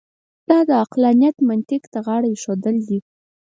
دا د عقلانیت منطق ته غاړه اېښودل دي.